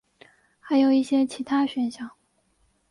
还有一些其他选项。